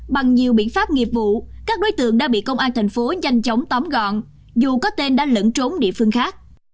bằng nhiều biện pháp nghiệp vụ các đối tượng đã bị công an thành phố nhanh chóng tóm gọn dù có tên đã lẫn trốn địa phương khác